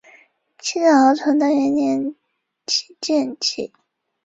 清朝崇德元年建旗。